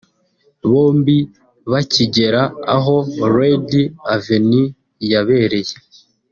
Bombi bakigera aho Red Avenue yabereye